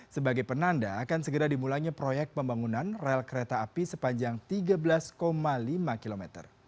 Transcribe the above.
sebagai penanda akan segera dimulainya proyek pembangunan rel kereta api sepanjang tiga belas lima km